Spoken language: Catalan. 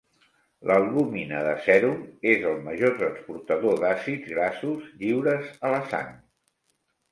L'albúmina de sèrum és el major transportador d'àcids grassos lliures a la sang.